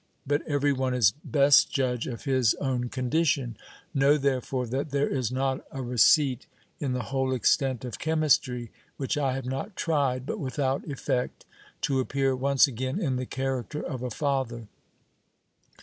But every one is best judge of his own condition : know therefore that there is not a receipt in the whole extent of chemistry which I have not tried, but without effect, to appear once again in the character of a father.